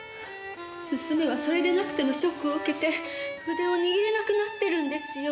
娘はそれでなくてもショックを受けて筆を握れなくなってるんですよ。